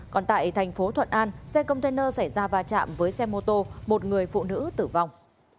còn tại thành phố thuận an xe container xảy ra va chạm với xe mô tô một người phụ nữ tử vong